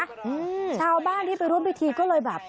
อืมชาวบ้านที่ไปร่วมพิธีก็เลยแบบ